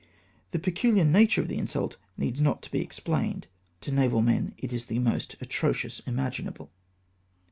The pecuhar natm^e of the insult needs not to be explamed — to naval men it is the most atrocious imaginable.